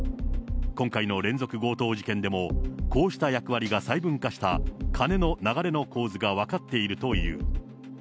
今回の連続強盗事件でも、こうした役割が細分化した金の流れの構図が分かっているという。